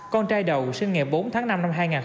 con trai đầu sinh ngày bốn tháng năm năm hai nghìn chín